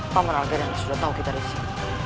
pamer arkadana sudah tahu kita disini